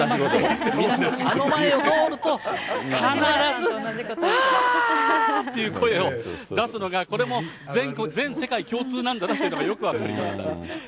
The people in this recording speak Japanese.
皆さん、あの前を通ると、必ず、はーっていう声を出すのが、これも全世界共通なんだなというのがよく分かりました。